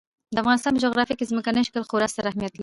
د افغانستان په جغرافیه کې ځمکنی شکل خورا ستر اهمیت لري.